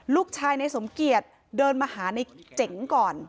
ลูกชายในสมเกียจเดินมาหาในเจ๋งก่อน